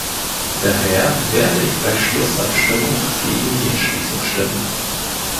Daher werde ich bei Schlussabstimmung gegen die Entschließung stimmen.